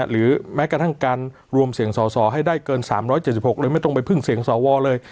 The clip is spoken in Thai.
หรือแม้กระทั่งการรวมเสียงสอสอให้ได้เกิน๓๗๖เลยไม่ต้องไปพึ่งเสียงสวเลย